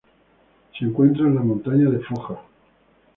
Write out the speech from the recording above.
Se encuentra en las montañas de Foja.